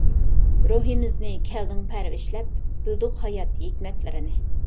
روھىمىزنى كەلدىڭ پەرۋىشلەپ، بىلدۇق ھايات ھېكمەتلىرىنى.